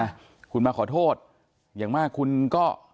อ่ะคุณมาขอโทษอย่างมากคุณก็